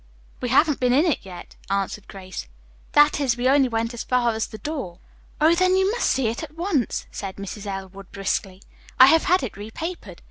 "We haven't been in it yet," answered Grace. "That is, we went only as far as the door." "Oh, then you must see it at once," said Mrs. Elwood briskly. "I have had it repapered.